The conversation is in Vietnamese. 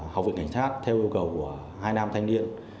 học viện cảnh sát theo yêu cầu của hai nam thanh niên